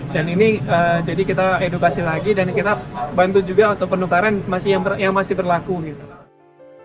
dan ini jadi kita edukasi lagi dan kita bantu juga untuk penukaran yang masih berlaku gitu